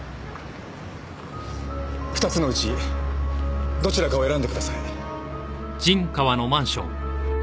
２つのうちどちらかを選んでください。